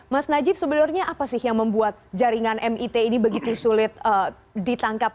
mas najib sebenarnya apa sih yang membuat jaringan mit ini begitu sulit ditangkap